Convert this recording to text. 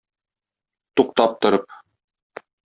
Туктап торып.